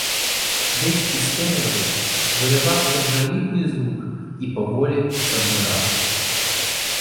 Десь із темряви виривався жалібний звук і поволі завмирав.